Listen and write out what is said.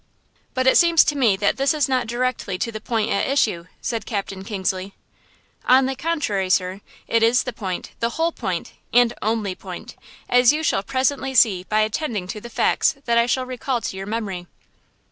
"But it seems to me that this is not directly to the point at issue," said Captain Kingsley. "On the contrary, sir, it is the point, the whole point, and only point, as you shall presently see by attending to the facts that I shall recall to your memory.